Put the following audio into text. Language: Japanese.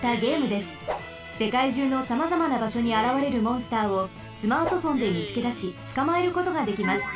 せかいじゅうのさまざまなばしょにあらわれるモンスターをスマートフォンでみつけだしつかまえることができます。